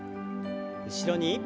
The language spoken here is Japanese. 後ろに。